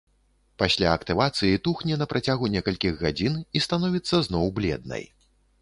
Пасля актывацыі тухне на працягу некалькіх гадзін і становіцца зноў бледнай.